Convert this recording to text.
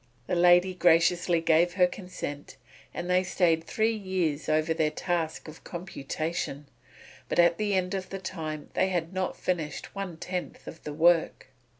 The lady graciously gave her consent; and they stayed three years over their task of computation, but at the end of that time they had not finished one tenth of the work.